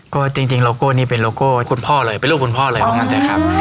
ก็จริงโลโก้นี้เป็นโลโก้คุณพ่อเลยเป็นลูกคุณพ่อเลยบางทีครับ